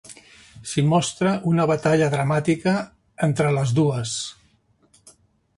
S'hi mostra una batalla dramàtica entre les dues.